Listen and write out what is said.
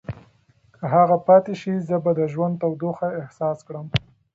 که هغه پاتې شي، زه به د ژوند تودوخه احساس کړم.